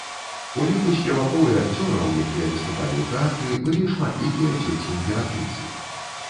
У ліку спевакоў і акцёраў, якія выступалі ў тэатры, былі шматлікія дзеці імператрыцы.